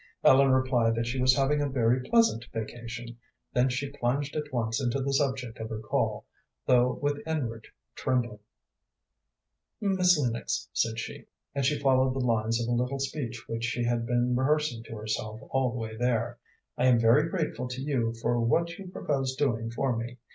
Ellen replied that she was having a very pleasant vacation, then she plunged at once into the subject of her call, though with inward trembling. "Miss Lennox," said she and she followed the lines of a little speech which she had been rehearsing to herself all the way there "I am very grateful to you for what you propose doing for me.